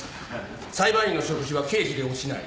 裁判員の食事は経費で落ちない。